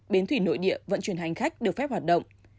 bến thủy nội địa vận chuyển hành khách được phép hoạt động